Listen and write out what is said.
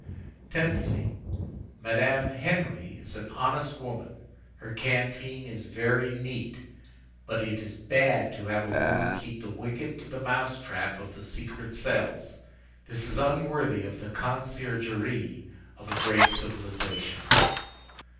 "Tenthly: Mme. Henry is an honest woman; her canteen is very neat; but it is bad to have a woman keep the wicket to the mouse trap of the secret cells. This is unworthy of the Conciergerie of a great civilization."